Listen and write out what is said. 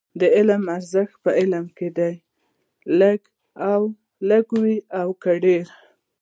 د علم ارزښت په عمل کې دی، لږ وي او که ډېر.